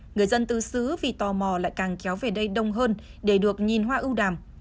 người dân tứ xứ vì tò mò lại càng kéo về đây đông hơn để được nhìn hoa ưu đàm